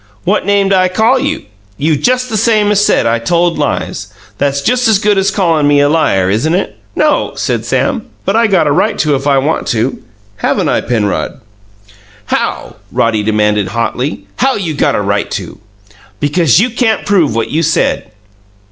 "What name'd I call you?" "You just the same as said I told lies. That's just as good as callin' me a liar, isn't it?" "No," said Sam; "but I got a right to, if I want to. Haven't I, Penrod?" "How?" Roddy demanded hotly. "How you got a right to?" "Because you can't prove what you said."